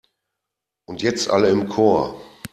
Und jetzt alle im Chor!